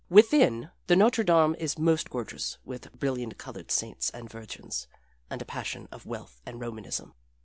Within, the Notre Dame is most gorgeous with brilliant colored saints and Virgins and a passion of wealth and Romanism.